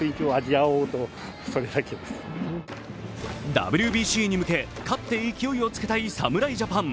ＷＢＣに向け、勝って勢いをつけたい侍ジャパン。